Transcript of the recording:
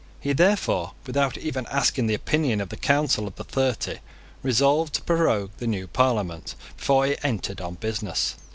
He therefore, without even asking the opinion of the Council of the Thirty, resolved to prorogue the new Parliament before it entered on business.